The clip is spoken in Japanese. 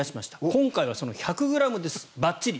今回はその１００ｇでばっちり。